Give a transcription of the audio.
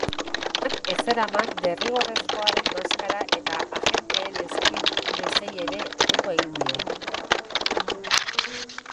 Gizonak ez zeraman derrigorrezkoa den maskara eta agenteen eskakizunei ere uko egin die.